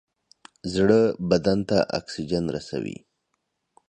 زړه بدن ته اکسیجن رسوي.